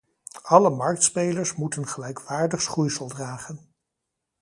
Alle marktspelers moeten gelijkwaardig schoeisel dragen.